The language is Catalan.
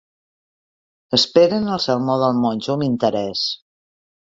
Esperen el sermó del monjo amb interès.